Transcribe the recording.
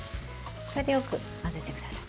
これで、よく混ぜてください。